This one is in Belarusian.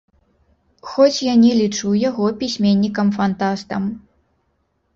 Хоць я не лічу яго пісьменнікам-фантастам.